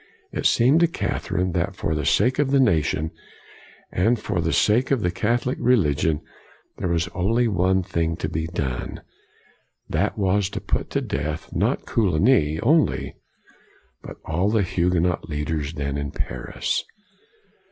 It seemed to Catherine that for the sake of the nation and for the sake of the Catholic religion, there was only one thing to be done. That was to put to death not Coligny only, but all the Huguenot leaders then in Paris.